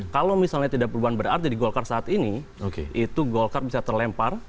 kalau misalnya tidak perubahan berarti di golkar saat ini itu golkar bisa terlempar